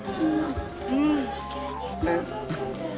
うん。